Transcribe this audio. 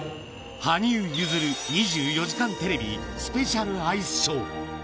羽生結弦、２４時間テレビスペシャルアイスショー。